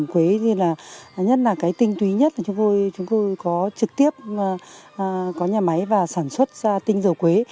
quế thì là nhất là cái tinh túy nhất là chúng tôi có trực tiếp có nhà máy và sản xuất ra tinh dầu quế